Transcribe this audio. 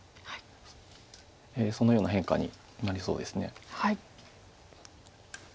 そのような変化になりそうです。